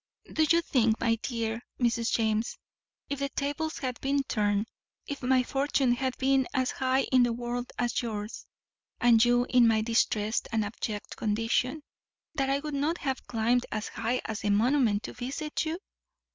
Do you think, my dear Mrs. James, if the tables had been turned, if my fortune had been as high in the world as yours, and you in my distress and abject condition, that I would not have climbed as high as the monument to visit you?"